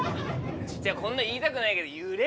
こんな言いたくないけど。